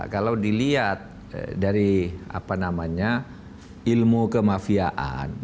kalau dilihat dari apa namanya ilmu kemafian